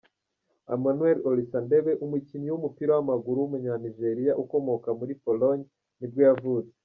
Emmanuel Olisadebe, umukinnyi w’umupira w’amaguru w’umunyanigeriya ukomoka muri Pologne nibwo yavutse.